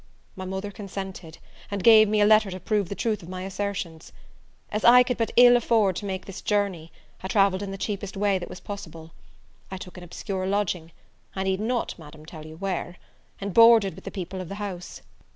My mother consented, and gave me a letter to prove the truth of my assertions. As I could but ill afford to make this journey, I travelled in the cheapest way that was possible. I took an obscure lodging, I need not, Madam, tell you where, and boarded with the people of the house.